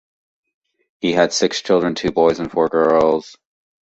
He had six children: two boys and four girls.